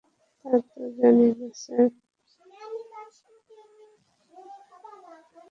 তা তো জানি না, স্যার।